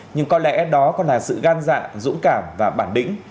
nhưng có lẽ đó còn là sự gan dạ dũng cảm và bản lĩnh